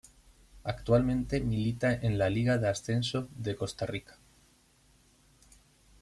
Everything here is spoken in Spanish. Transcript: Actualmente milita en la Liga de Ascenso de Costa Rica.